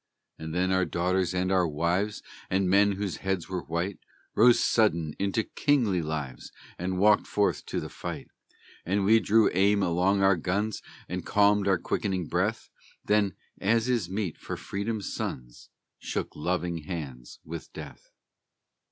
And then our daughters and our wives, And men whose heads were white, Rose sudden into kingly lives And walked forth to the fight; And we drew aim along our guns And calmed our quickening breath, Then, as is meet for Freedom's sons, Shook loving hands with Death.